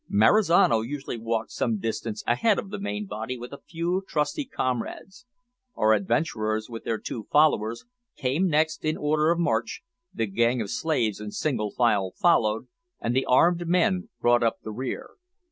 Marizano usually walked some distance ahead of the main body with a few trusty comrades. Our adventurers, with their two followers, came next in order of march, the gang of slaves in single file followed, and the armed men brought up the rear.